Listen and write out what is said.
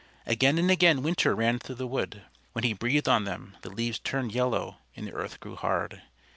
Again and again Winter ran through the wood. When he breathed on them, the leaves turned yellow and the earth grew hard.